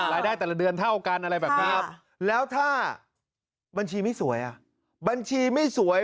รายได้แต่ละเดือนเท่ากันอะไรแบบนี้แล้วถ้าบัญชีไม่สวยอ่ะบัญชีไม่สวย